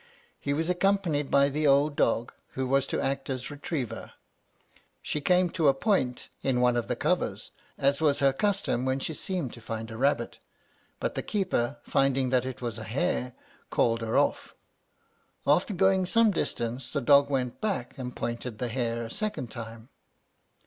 He was accompanied by the old dog, who was to act as retriever. She came to a point in one of the covers, as was her custom when she seemed to find a rabbit; but the keeper, finding that it was a hare, called her off. After going some distance, the dog went back and pointed the hare a second time.